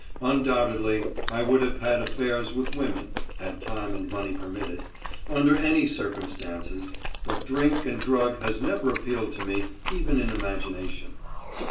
Undoubtedly, I would have had affairs with women (had time and money permitted) under any circumstances, but drink and drug has never appealed to me, even in imagination.